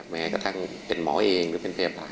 แม้กระทั่งเป็นหมอเองหรือเป็นพยาบาล